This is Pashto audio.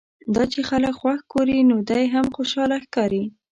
دا چې خلک خوښ ګوري نو دی هم خوشاله ښکاري.